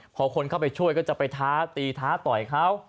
พอคนเข้าไปช่วยเค้าจะไปตีท้าต่อยเขา